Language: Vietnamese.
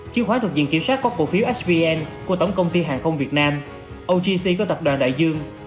chứng khoán thuộc diện kiểm soát có cổ phiếu hvn của tổng công ty hàng không việt nam ogc của tập đoàn đại dương